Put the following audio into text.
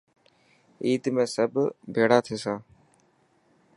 عيد ۾ سب بيڙا ٿيسان.